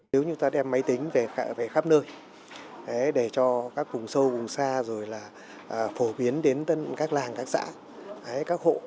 nếu như ta đem máy tính về khắp nơi để cho các vùng sâu vùng xa rồi là phổ biến đến các làng các xã các hộ